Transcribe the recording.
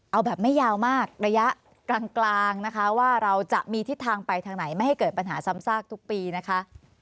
เอาแบบไม่ยาวมากระยะกลางนะคะว่าเราจะมีทิศทางไปทางไหนไม่ให้เกิดปัญหาซ้ำซากทุกปีนะคะ